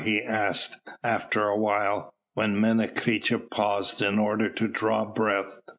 he asked, after a while, when Menecreta paused in order to draw breath.